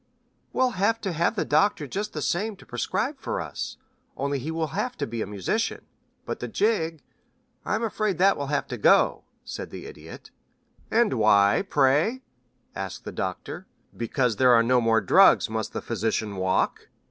"We'll have to have the doctor just the same to prescribe for us, only he will have to be a musician, but the gig I'm afraid that will have to go," said the Idiot. "And why, pray?" asked the Doctor. "Because there are no more drugs, must the physician walk?"